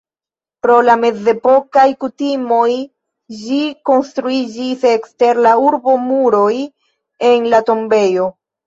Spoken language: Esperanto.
Pro la mezepokaj kutimoj ĝi konstruiĝis ekster la urbomuroj en la tombejo.